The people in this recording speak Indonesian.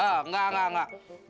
eh enggak enggak enggak